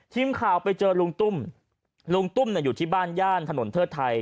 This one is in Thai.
ทีมข่าวไปเจอลุงตุ้มลุงตุ้มอยู่ที่บ้านย่านถนนเทิดไทย